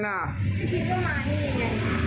พี่พีชเข้ามาที่นี่ไงค่ะ